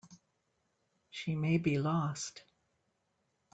She may be lost.